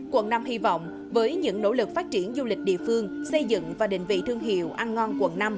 quận năm hy vọng với những nỗ lực phát triển du lịch địa phương xây dựng và định vị thương hiệu ăn ngon quận năm